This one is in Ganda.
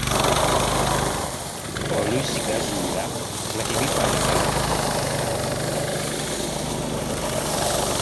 Oluusi gazuula nga tebifaanagana.